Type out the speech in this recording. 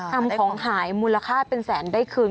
ทำของหายมูลค่าเป็นแสนได้คืน